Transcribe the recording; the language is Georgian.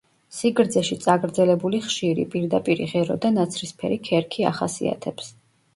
სიგრძეში წაგრძელებული ხშირი, პირდაპირი ღერო და ნაცრისფერი ქერქი ახასიათებს.